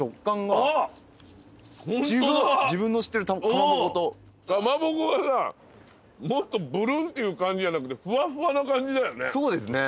かまぼこはさもっとブルンっていう感じじゃなくてふわふわな感じだよね？